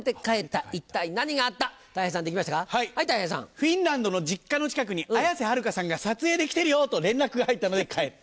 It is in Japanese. フィンランドの実家の近くに綾瀬はるかさんが撮影で来てるよ！と連絡が入ったので帰った。